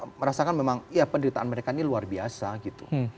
jadi saya merasakan memang ya penderitaan mereka ini luar biasa gitu